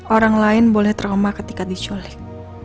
orang lain boleh trauma ketika diculik